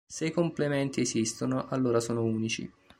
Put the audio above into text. Se i complementi esistono, allora sono unici.